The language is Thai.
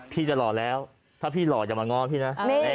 พี่จะหล่อแล้วถ้าพี่หล่ออย่ามาง้อพี่นะ